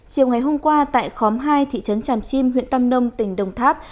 chiều ngày hôm qua tại khóm hai thị trấn tràm chim huyện tam nông tỉnh đồng tháp